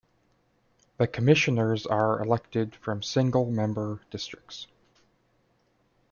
The Commissioners are elected from single-member districts.